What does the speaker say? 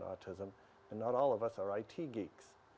bahwa ada banyak kebanyakannya di autism